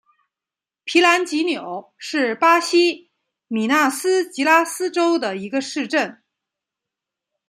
皮兰吉纽是巴西米纳斯吉拉斯州的一个市镇。